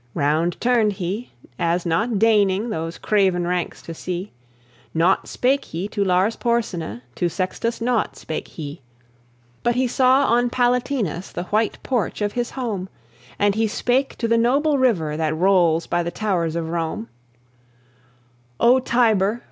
Round turned he, as not deigning Those craven ranks to see; Naught spake he to Lars Porsena, To Sextus naught spake he; But he saw on Palatinus The white porch of his home; And he spake to the noble river That rolls by the towers of Rome: "O Tiber!